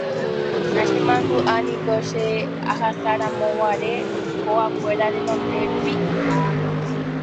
nachemandu'áiniko che ahasáramoguare hogakuéra renonde rupi